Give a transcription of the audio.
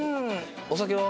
お酒は？